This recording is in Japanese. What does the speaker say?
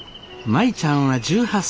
舞ちゃんは１８歳。